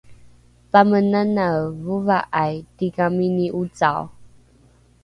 pamenanae vova’ai tigamini ocao